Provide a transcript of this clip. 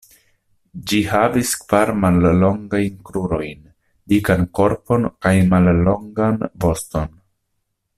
Ĝi havis kvar mallongajn krurojn, dikan korpon, kaj mallongan voston.